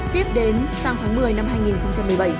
tiếp đến sang tháng một mươi năm hai nghìn một mươi bảy